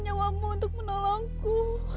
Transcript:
nyawamu untuk menolongku